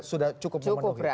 sudah cukup memenuhi